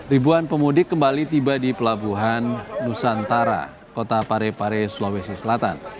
ribuan pemudik kembali tiba di pelabuhan nusantara kota parepare sulawesi selatan